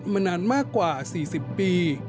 มานานมากกว่า๔๐ปี